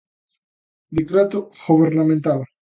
Decreto gobernamental.